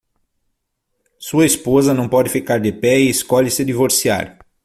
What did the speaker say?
Sua esposa não pode ficar de pé e escolhe se divorciar